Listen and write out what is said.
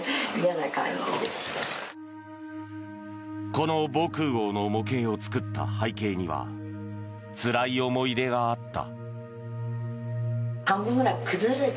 この防空壕の模型を作った背景にはつらい思い出があった。